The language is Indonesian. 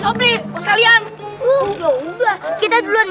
feod pero kakak semuanya di vagabond